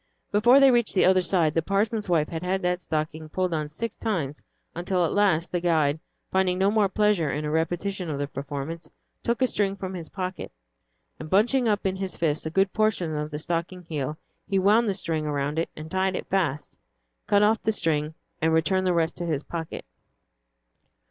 Before they reached the other side, the parson's wife had had that stocking pulled on six times, until at last, the guide, finding no more pleasure in a repetition of the performance, took a string from his pocket, and bunching up in his fist a good portion of the stocking heel, he wound the string around it and tied it fast, cut off the string, and returned the rest to his pocket.